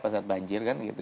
pasal banjir kan gitu